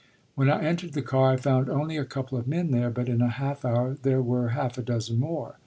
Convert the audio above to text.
When I entered the car, I found only a couple of men there; but in a half hour there were half a dozen or more.